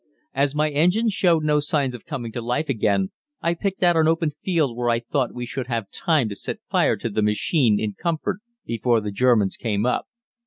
As my engine showed no signs of coming to life again, I picked out an open field where I thought we should have time to set fire to the machine in comfort before the Germans came up.